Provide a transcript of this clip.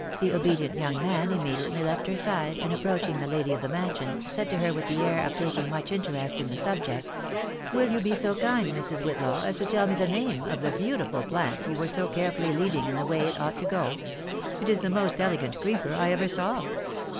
The obedient young man immediately left her side, and approaching the lady of the mansion, said to her with the air of taking much interest in the subject —" Will you be so kind, Mrs. Whitlaw, as to tell me the name 192 THE BAKXABTS IN AJIEIMUA. of the beautiful plant you were so carefully leading in the way it ought to go ? It is the most elegant creeper I ever saw."